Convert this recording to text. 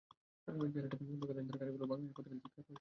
জেরাডে ঢুকে লাইন ধরে গাড়িগুলো বাংলাদেশের পতাকা নিয়ে চিৎকার করতে লাগল।